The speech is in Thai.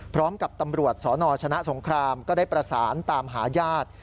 พร้อมกับตำรวจสนชนะสงครามก็ได้ประสานตามหาญาติ